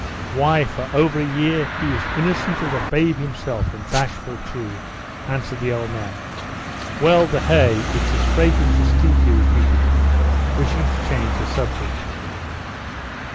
Why, for over a year he was innocent as a babe himself, and bashful too," answered the old man. "Well, the hay! It's as fragrant as tea!" he repeated, wishing to change the subject.